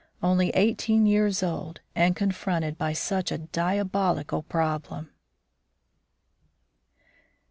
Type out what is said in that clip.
Only eighteen years old and confronted by such a diabolical problem!